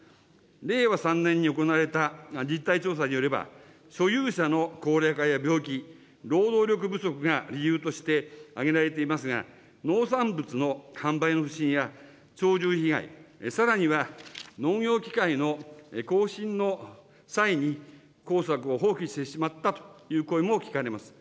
令和３年に行われた実態調査によれば、所有者の高齢化や病気、労働力不足が理由として挙げられていますが、農産物の販売の不振や鳥獣被害、さらには農業機械の更新の際に耕作を放棄してしまったという声も聞かれます。